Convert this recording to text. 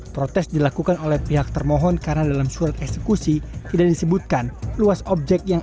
protes dilakukan oleh pihak termohon karena dalam surat eksekusi tidak disebutkan luas objek yang